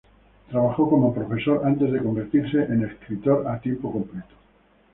Trabajó como profesor antes de convertirse en escritor a tiempo completo.